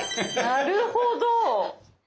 なるほど！